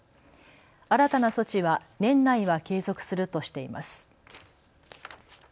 新たな措置は年内は継続するとしています。